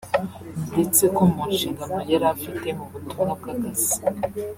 ndetse ko mu nshingano yari afite mu butumwa bw’akazi